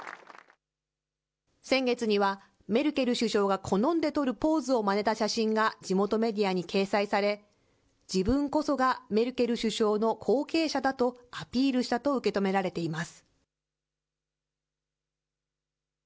先月には、メルケル首相が好んでとるポーズをまねた写真が地元メディアに掲載され、自分こそがメルケル首相の後継者だとアピールしたと受け止められています。